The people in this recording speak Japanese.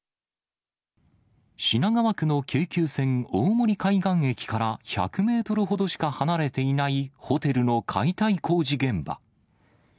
品川区の京急線大森海岸駅から１００メートルほどしか離れていないホテルの解体工事現場。